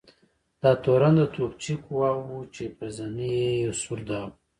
دا تورن د توپچي قواوو و چې پر زنې یې یو سور داغ و.